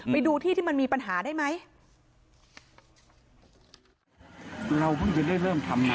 ไปดูที่ที่มันมีปัญหาได้ไหม